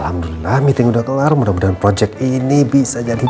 alhamdulillah meeting udah kelar mudah mudahan proyek ini bisa jadi